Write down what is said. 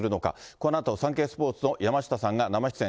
このあと、サンケイスポーツの山下さんが生出演。